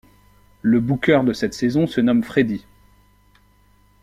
Le bookeur de cette saison se nomme Freddy.